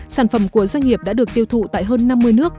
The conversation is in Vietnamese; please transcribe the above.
sản phẩm của doanh nghiệp đã được tiêu thụ tại hơn năm mươi nước